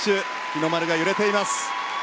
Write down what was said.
日の丸が揺れています。